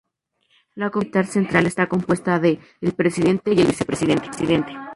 La Comisión Militar Central está compuesta de: El Presidente y el Vicepresidente.